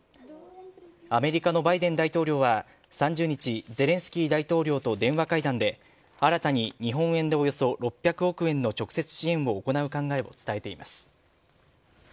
アメリカのバイデン大統領は３０日、ゼレンスキー大統領と電話会談で新たに日本円でおよそ６００億円の直接支援を行う考えを伝えています。